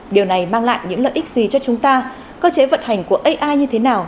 điều này mang lại những lợi ích gì cho chúng ta cơ chế vận hành của ai như thế nào